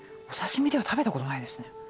お刺身では食べたことないですね。